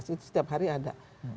itu setiap hari ada